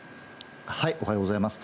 おはようございます。